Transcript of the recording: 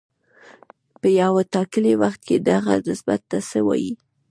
په یو ټاکلي وخت کې دغه نسبت ته څه وايي